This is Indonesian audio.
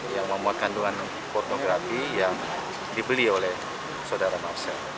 yang memuat kandungan fotografi yang dibeli oleh saudara nafsir